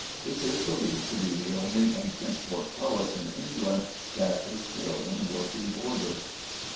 This is believed to be the only ancient portcullis in England that is still in working order.